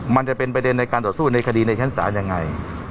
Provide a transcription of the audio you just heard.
มันจะเป็นประเด็นในการต่อสู้ในคดีในชั้นศาลยังไง